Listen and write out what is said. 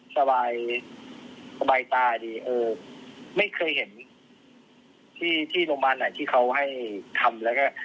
สบายสบายตาดีเออไม่เคยเห็นที่ที่โรงพยาบาลไหนที่เขาให้ทำแล้วก็